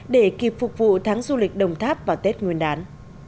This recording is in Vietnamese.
để kịp phục vụ tháng du lịch đồng tháp vào tết nguyên đán